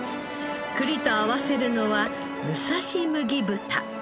栗と合わせるのはむさし麦豚。